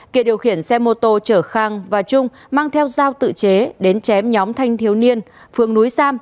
kiệt điều khiển xe mô tô chở khang và trung mang theo dao tự chế đến chém nhóm thanh thiếu niên phường núi sam